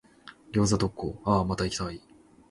餃子特講、あぁ、また行きたい。